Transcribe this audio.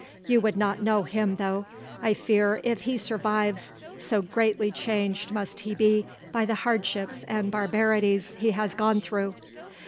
You would not know him though, I fear, if he survives, so greatly changed must he be by the hardships and barbarities he has gone through.